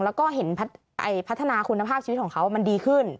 แล้วก็เห็นพัฒนาคุณภาพชีวิตของเขามันดีขึ้น